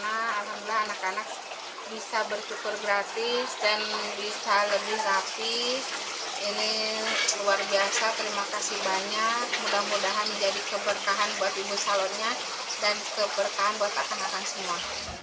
mudah mudahan menjadi keberkahan buat ibu salonnya dan keberkahan buat kakak kakak semua